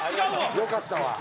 よかったわ。